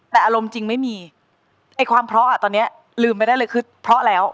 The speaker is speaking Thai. แต่อารมณ์จริงไม่มีไอ้ความเพราะอ่ะตอนนี้ลืมไปได้เลยคือเพราะแล้ว